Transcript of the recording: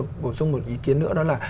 thêm một bổ sung một ý kiến nữa đó là